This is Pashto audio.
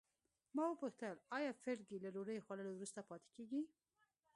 ما وپوښتل آیا فرګي له ډوډۍ خوړلو وروسته پاتې کیږي.